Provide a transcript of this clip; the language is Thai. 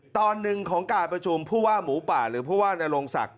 ตอนหนึ่งของการประชุมผู้ว่าหมูป่าหรือผู้ว่านโรงศักดิ